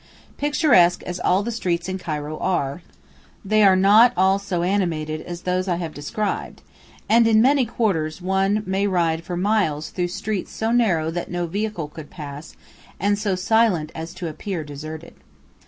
Picturesque as all the streets of Cairo are, they are not all so animated as those I have described, and in many quarters one may ride for miles through streets so narrow that no vehicle could pass, and so silent as to appear deserted.